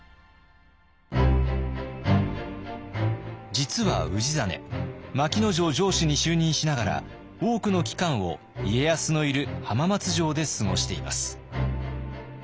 実は氏真牧野城城主に就任しながら多くの期間を家康のいる浜松城で過ごしています。